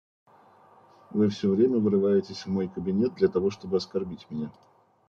Вы все время врываетесь в мой кабинет для того, чтобы оскорбить меня.